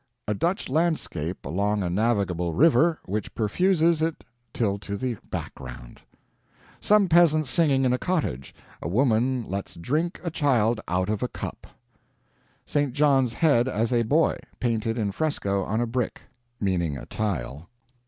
"A Dutch landscape along a navigable river which perfuses it till to the background." "Some peasants singing in a cottage. A woman lets drink a child out of a cup." "St. John's head as a boy painted in fresco on a brick." (Meaning a tile.)